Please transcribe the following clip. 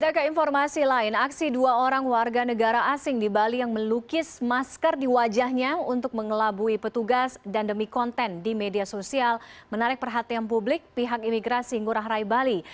kita ke informasi lain aksi dua orang warga negara asing di bali yang melukis masker di wajahnya untuk mengelabui petugas dan demi konten di media sosial menarik perhatian publik pihak imigrasi ngurah rai bali